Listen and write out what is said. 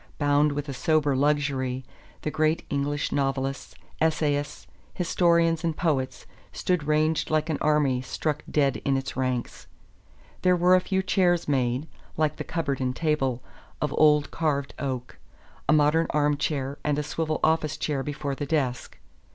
Bound with a sober luxury, the great English novelists, essayists, historians and poets stood ranged like an army struck dead in its ranks. There were a few chairs made, like the cupboard and table, of old carved oak; a modern arm chair and a swivel office chair before the desk.